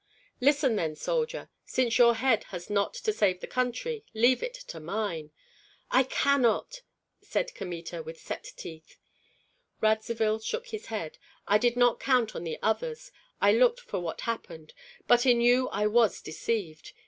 "Listen, then, soldier! Since your head has not to save the country, leave it to mine." "I cannot!" said Kmita, with set teeth. Radzivill shook his head. "I did not count on the others, I looked for what happened; but in you I was deceived.